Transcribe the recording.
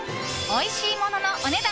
おいしいもののお値段